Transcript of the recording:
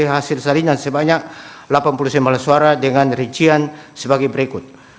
hasil salinan sebanyak delapan puluh sembilan suara dengan rincian sebagai berikut